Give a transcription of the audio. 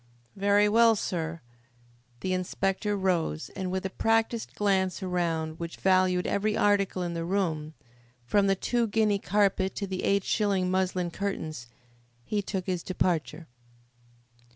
"Very well, sir." The inspector rose, and with a practised glance around, which valued every article in the room, from the two guinea carpet to the eight shilling muslin curtains, he took his departure.